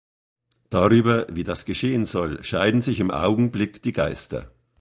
Darüber, wie das geschehen soll, scheiden sich im Augenblick die Geister.